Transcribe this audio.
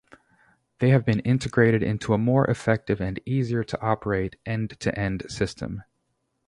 They have been integrated into a more effective and easier to operate end-to-end system.